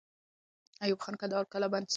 ایوب خان کندهار قلابند ساتي.